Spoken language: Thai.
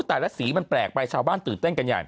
แต่ละสีมันแปลกไปชาวบ้านตื่นเต้นกันใหญ่